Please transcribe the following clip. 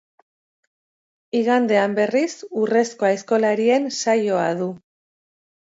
Igandean berriz urrezko aizkolarien saioa du.